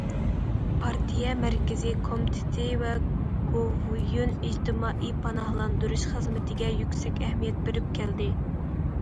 پارتىيە مەركىزىي كومىتېتى ۋە گوۋۇيۈەن ئىجتىمائىي پاناھلاندۇرۇش خىزمىتىگە يۈكسەك ئەھمىيەت بېرىپ كەلدى.